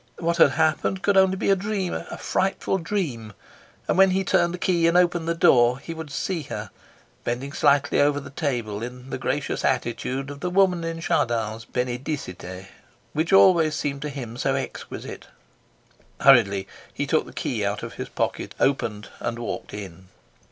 What had happened could only be a dream, a frightful dream; and when he turned the key and opened the door, he would see her bending slightly over the table in the gracious attitude of the woman in Chardin's , which always seemed to him so exquisite. Hurriedly he took the key out of his pocket, opened, and walked in.